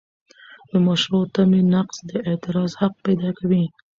د مشروع تمې نقض د اعتراض حق پیدا کوي.